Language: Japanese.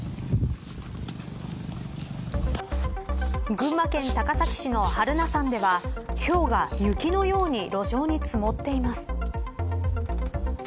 群馬県高崎市の榛名山ではひょうが雪のように路上に積もっています。